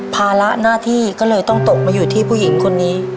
ภาระหน้าที่ก็เลยต้องตกมาอยู่ที่ผู้หญิงคนนี้